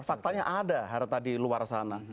faktanya ada harta di luar sana